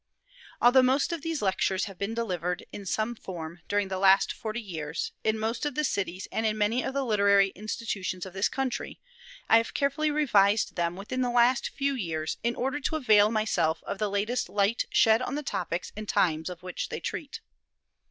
Although most of these Lectures have been delivered, in some form, during the last forty years, in most of the cities and in many of the literary institutions of this country, I have carefully revised them within the last few years, in order to avail myself of the latest light shed on the topics and times of which they treat.